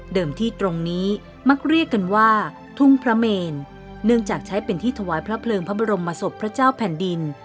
ที่ตรงนี้มักเรียกกันว่าทุ่งพระเมนเนื่องจากใช้เป็นที่ถวายพระเพลิงพระบรมศพพระเจ้าแผ่นดิน